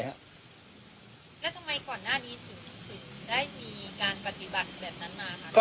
แล้วทำไมก่อนหน้านี้ถึงได้มีการปฏิบัติแบบนั้นมาคะ